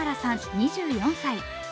２４歳。